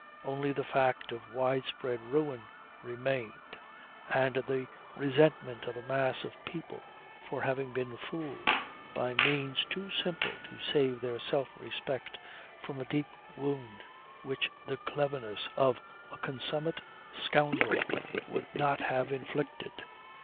Only the fact of wide spread ruin remained, and the resentment of a mass of people for having been fooled by means too simple to save their self respect from a deep wound which the cleverness of a consummate scoundrel would not have inflicted.